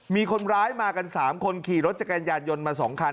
มีคนร้ายมากัน๓คนขี่รถจักรยานยนต์มา๒คัน